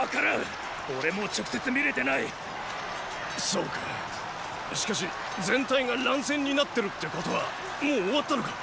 そうかしかし全体が乱戦になってるってことはもう終わったのか？